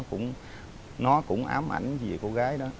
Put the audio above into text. mà nó cũng ám ảnh về cô gái